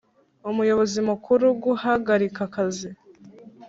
Umuyobozi mukuru guhagarika akazi